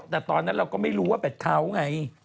แต่ตอนนั้นเราก็ไม่รู้ว่าเป็นข่าวไง